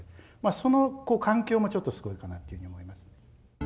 その環境もちょっとすごいかなというふうに思います。